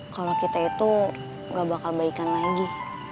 kalau kita itu gak bakal baikan lagi